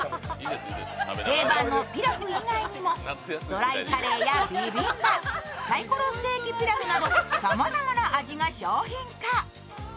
定番のピラフ以外にもドライカレーやビビンバ、サイコロステーキピラフなど、さまざまな味が商品化。